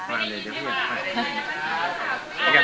ต้องกดออกใหม่ก็ได้ยิน